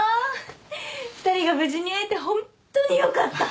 ２人が無事に会えてホンットによかった。